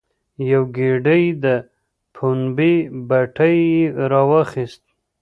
یوه ګېډۍ د پمبې پټی یې راواخیست.